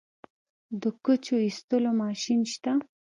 د کوچو ایستلو ماشین شته؟